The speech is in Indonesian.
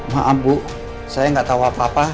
maaf bu saya nggak tahu apa apa